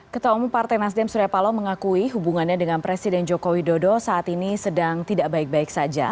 ketua umum partai nasdem surya paloh mengakui hubungannya dengan presiden joko widodo saat ini sedang tidak baik baik saja